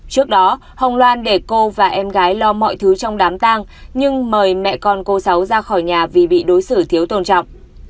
trước đó hồng loan để cô và em gái lo mọi thứ trong đám tang nhưng mời mẹ con cô cháu ra khỏi nhà vì bị đối xử thiếu tôn trọng